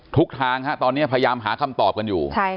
ทุกทางตอนนี้พยายามหาคำตอบกันอยู่